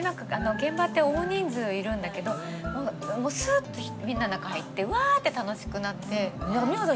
現場って大人数いるんだけどもうすっとみんなの中入ってうわって楽しくなって。